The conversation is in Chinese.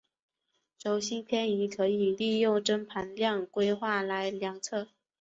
轴心偏移可以利用针盘量规来量测。